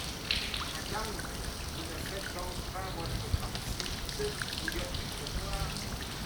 Ma tante, vous ne faites donc pas votre partie de bouillotte ce soir ?